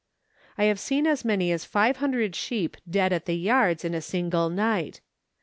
I have seen as many as 500 sheep dead at the yards in a single night.